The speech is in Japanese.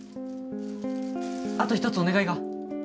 あと一つお願いが。